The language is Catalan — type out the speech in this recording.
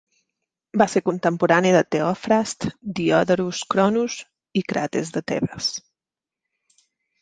Va ser contemporani de Teofrast, Diodorus Cronus i Crates de Tebes.